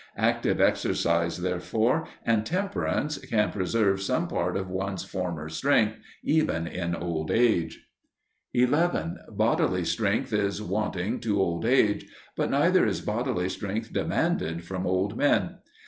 Active exercise, therefore, and temperance can preserve some part of one's former strength even in old age. 11. Bodily strength is wanting to old age; but neither is bodily strength demanded from old men.